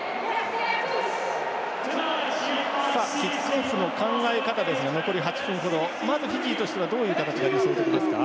キックオフの考え方ですが残り８分ほどフィジーとしてはどういう形が理想的ですか？